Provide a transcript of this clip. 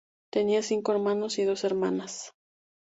Tenía cinco hermanos y dos hermanas.